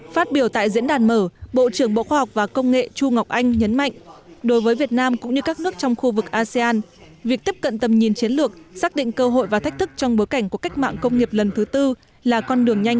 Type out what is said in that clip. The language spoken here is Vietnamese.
phát biểu tại diễn đàn mở bộ trưởng bộ khoa học và công nghệ chu ngọc anh nhấn mạnh đối với việt nam cũng như các nước trong khu vực asean việc tiếp cận tầm nhìn chiến lược xác định cơ hội và thách thức trong bối cảnh của cách mạng công nghiệp lần thứ tư là con đường nhanh